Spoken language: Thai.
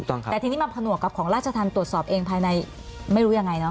แต่ทีนี้มาผนวกกับของราชธรรมตรวจสอบเองภายในไม่รู้ยังไงเนอ